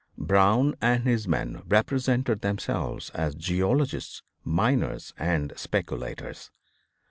Brown and his men represented themselves as geologists, miners and speculators.